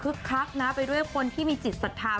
คลักนะไปด้วยคนที่มีจิตศรัทธา